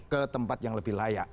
ke tempat yang lebih layak